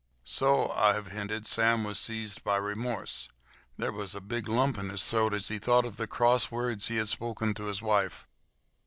So, I have hinted, Sam was seized by remorse. There was a big lump in his throat as he thought of the cross words he had spoken to his wife.